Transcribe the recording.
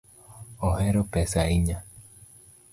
Ohero pesa ahinya